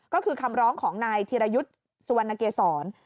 ก็คือคำร้องของนายธีรยุทธ์สุวรรณเกษร